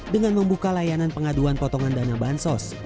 dengan membuka layanan pengaduan potongan dana bahan sos